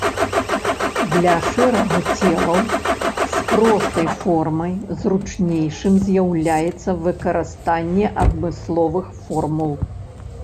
Для шэрагу целаў з простай формай зручнейшым з'яўляецца выкарыстанне адмысловых формул.